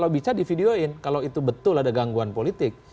bisa divideoin kalau itu betul ada gangguan politik